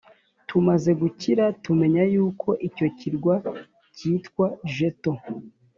tumaze gukira tumenya yuko icyo kirwa cyitwa jeto